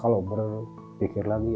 kehidupan memang tidak selamanya